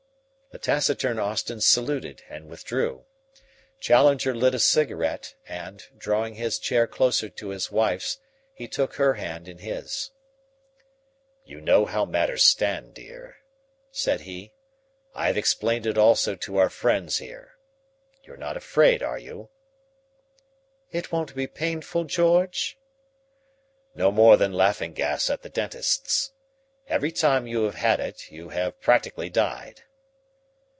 The taciturn Austin saluted and withdrew. Challenger lit a cigarette, and, drawing his chair closer to his wife's, he took her hand in his. "You know how matters stand, dear," said he. "I have explained it also to our friends here. You're not afraid are you?" "It won't be painful, George?" "No more than laughing gas at the dentist's. Every time you have had it you have practically died."